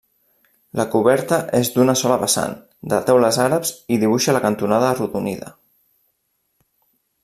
La coberta és d'una sola vessant, de teules àrabs i dibuixa la cantonada arrodonida.